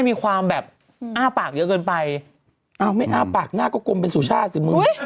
มี๒คนอยากว่านี่คือชั้นไม่เข้าใจ